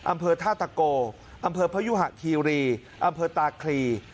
อำเภอท่าตะโกอำเภอพยุหะคีรีอำเภอตาคลี